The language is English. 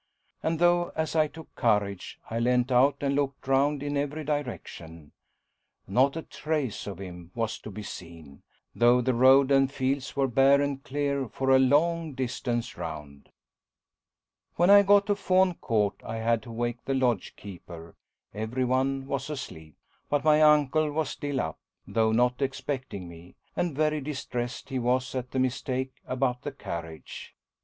And though, as I took courage, I leant out and looked round in every direction, not a trace of him was to be seen, though the road and the fields were bare and clear for a long distance round. When I got to Fawne Court I had to wake the lodge keeper every one was asleep. But my uncle was still up, though not expecting me, and very distressed he was at the mistake about the carriage.